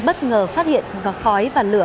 bất ngờ phát hiện có khói và lửa